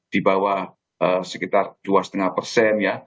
di bawah sekitar dua lima persen ya